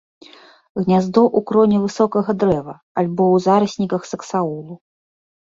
Гняздо ў кроне высокага дрэва альбо ў зарасніках саксаулу.